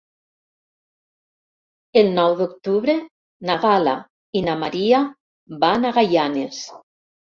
El nou d'octubre na Gal·la i na Maria van a Gaianes.